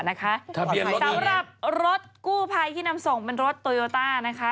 ขออภัยสำหรับรถกู้ภัยที่นำส่งเป็นรถโตโยต้านะคะ